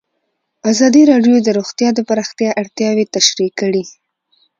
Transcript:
ازادي راډیو د روغتیا د پراختیا اړتیاوې تشریح کړي.